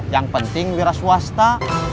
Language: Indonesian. yang penting wira swasta